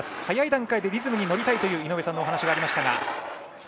早い段階でリズムに乗りたいという井上さんのお話がありました。